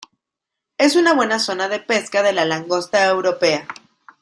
Es una buena zona de pesca de la langosta europea.